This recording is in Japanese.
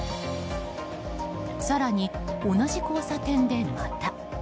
更に、同じ交差点でまた。